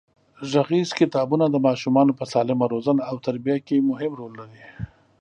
غږیز کتابونه د ماشومانو په سالمه روزنه او تربیه کې مهم رول لري.